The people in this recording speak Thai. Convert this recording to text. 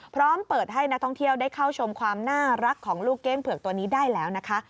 พร้อมเปิดให้นักท่องเที่ยวได้เข้าชมความน่ารักของลูกเก้งเผือกตัวนี้ได้แล้วนะคะ